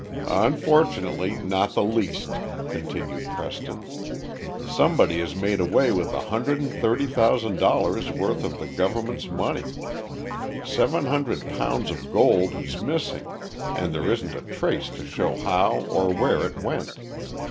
"Unfortunately, not the least," continued Preston. "Somebody has made away with a hundred and thirty thousand dollars worth of the government's money. Seven hundred pounds of gold is missing and there isn't a trace to show how or where it went.